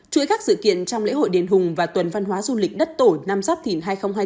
chuỗi các sự kiện trong lễ hội đền hùng và tuần văn hóa du lịch đất tổ năm giáp thìn hai nghìn hai mươi bốn